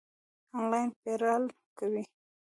آنلاین پیرل کوئ؟